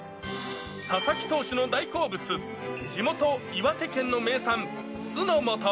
佐々木投手の大好物、地元、岩手県の名産、酢の素。